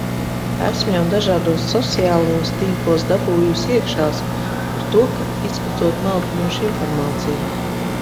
Esmu jau dažādos sociālos tīklos "dabūjusi iekšās" par to, ka izplatot maldinošu informāciju.